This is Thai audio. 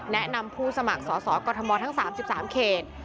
แนะนำผู้สมัครสอสอกรทมทั้ง๓๓เขต